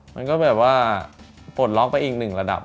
มันก็แบบว่าปลดล็อกไปอีกหนึ่งระดับ